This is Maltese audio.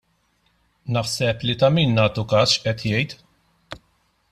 Naħseb li ta' min nagħtu każ x'qed jgħid.